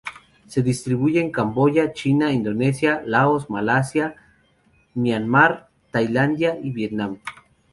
Se distribuye en Camboya, China, Indonesia, Laos, Malasia, Myanmar, Tailandia y Vietnam.